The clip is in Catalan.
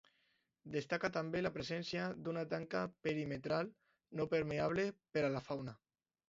Destaca també la presència d'una tanca perimetral no permeable per a la fauna.